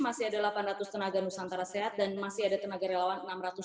masih ada delapan ratus tenaga nusantara sehat dan masih ada tenaga relawan enam ratus